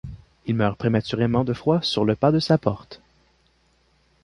Il meurt prématurément de froid sur le pas de sa porte.